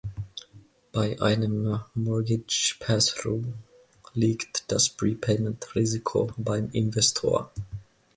Bei einem Mortgage Pass Through liegt das Prepayment-Risiko beim Investor.